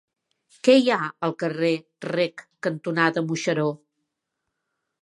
Què hi ha al carrer Rec cantonada Moixeró?